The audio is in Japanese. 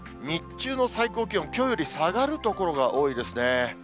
日中の最高気温、きょうより下がる所が多いですね。